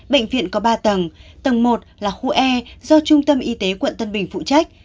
bệnh viện có ba tầng tầng một là khu e do trung tâm y tế quận tân bình phụ trách